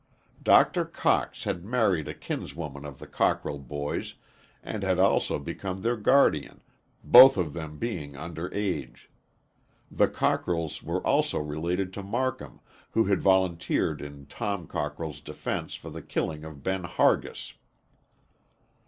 Dr. Cox had married a kinswoman of the Cockrell boys and had also become their guardian, both of them being under age. The Cockrells were also related to Marcum, who had volunteered in Tom Cockrell's defense for the killing of Ben Hargis.